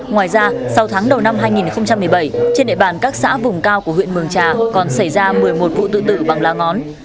ngoài ra sau tháng đầu năm hai nghìn một mươi bảy trên địa bàn các xã vùng cao của huyện mường trà còn xảy ra một mươi một vụ tự tử bằng lá ngón